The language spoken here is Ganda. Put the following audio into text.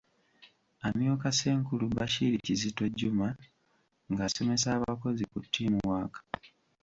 Amyuka Ssenkulu Bashir Kizito Juma ng’asomesa abakozi ku ‘Team Work’.